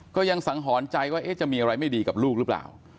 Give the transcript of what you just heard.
ก็ยังสังหรณ์ใจว่าจะมีอะไรไม่ดีกับลูกหรือเปล่า